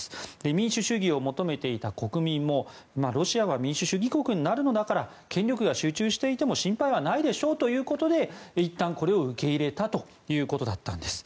民主主義を求めていた国民もロシアは民主主義国になるのだから権力が集中していても心配はないでしょうということでいったんこれを受け入れたということだったんです。